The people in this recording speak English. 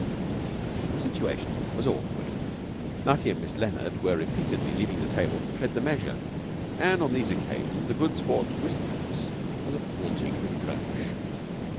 The situation was awkward. Nutty and Miss Leonard were repeatedly leaving the table to tread the measure, and on these occasions the Good Sport's wistfulness was a haunting reproach.